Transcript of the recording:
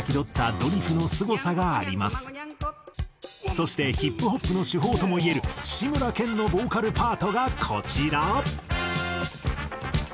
そしてＨＩＰＨＯＰの手法ともいえる志村けんのボーカルパートがこちら。